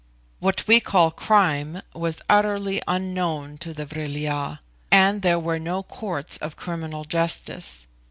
What we call crime was utterly unknown to the Vril ya; and there were no courts of criminal justice.